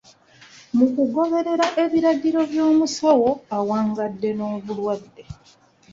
Mu kugoberera ebiragiro by'omusawo, awangadde n'obulwadde.